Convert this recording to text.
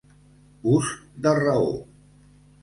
Ús de raó.